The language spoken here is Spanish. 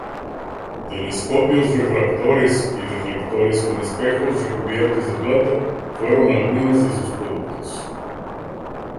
Telescopios refractores y reflectores con espejos recubiertos de plata fueron algunos de sus productos.